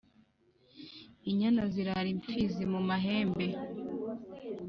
inyana zirara imfizi mu mahembe